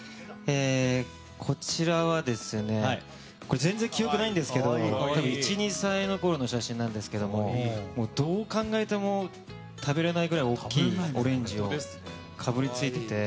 こちらは全然、記憶にないんですけど１２歳のころの写真なんですけれどもどう考えても食べれないぐらい大きいオレンジをかぶりついてて。